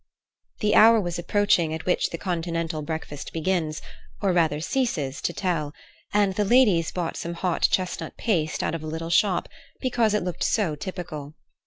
The hour was approaching at which the continental breakfast begins, or rather ceases, to tell, and the ladies bought some hot chestnut paste out of a little shop, because it looked so typical.